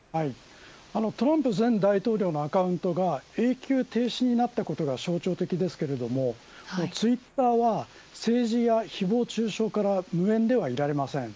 トランプ前大統領のアカウントが永久停止になったのが象徴的ですがツイッターは政治やひぼう中傷から無縁ではいられません。